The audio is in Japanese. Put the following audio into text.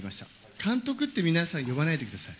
監督って皆さん、呼ばないでください。